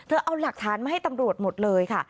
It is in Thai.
เอาหลักฐานมาให้ตำรวจหมดเลยค่ะ